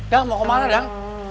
dang mau kemana dang